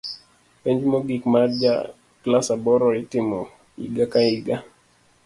Penj mogik mar jo klas aboro itimo iga ka iga